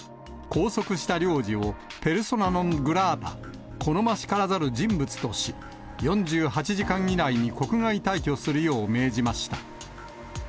拘束した領事をペルソナ・ノン・グラータ・好ましからざる人物とし、４８時間以内に国外退去するよう命じました。